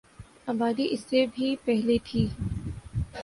آبادی اس سے بھی پہلے تھی